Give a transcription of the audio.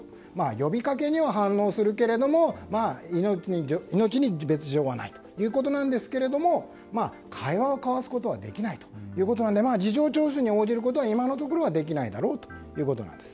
呼びかけには反応するけれども命に別条はないということなんですけれど会話を交わすことはできないということなので事情聴取に応じることは今のところはできないだろうということです。